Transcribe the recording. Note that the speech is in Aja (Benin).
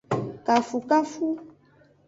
Kanfukanfu.